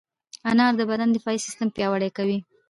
انار د بدن دفاعي سیستم پیاوړی کوي.